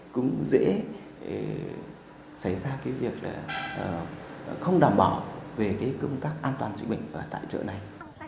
cũng dễ xảy ra việc không đảm bảo về công tác an toàn dịch bệnh tại chợ này